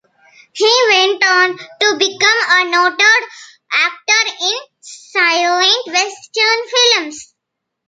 He went on to become a noted actor in silent Western films.